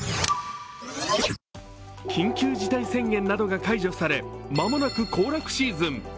緊急事態宣言などが解除され、間もなく行楽シーズン。